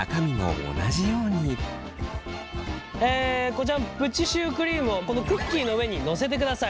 こちらプチシュークリームをこのクッキーの上にのせてください。